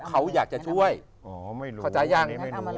เขาอยากจะช่วยเขาใจยัง